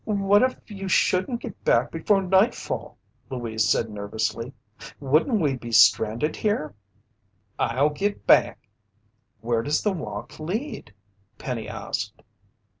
"What if you shouldn't get back before nightfall," Louise said nervously. "Wouldn't we be stranded here?" "I'll git back." "Where does the walk lead?" Penny asked.